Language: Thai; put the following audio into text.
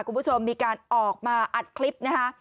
คุณผู้ชมมีการออกมาอัดคลิปนะคะ